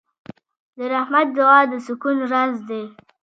د رحمت دعا د سکون راز دی.